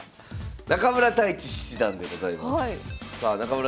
中村太地七段でございます。